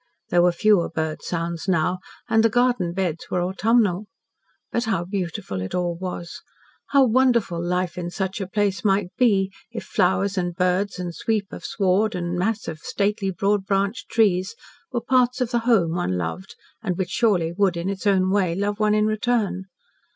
There were fewer bird sounds now, and the garden beds were autumnal. But how beautiful it all was! How wonderful life in such a place might be if flowers and birds and sweep of sward, and mass of stately, broad branched trees, were parts of the home one loved and which surely would in its own way love one in return.